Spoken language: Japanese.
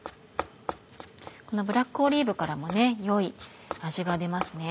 このブラックオリーブからも良い味が出ますね。